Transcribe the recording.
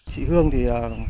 chị hương thì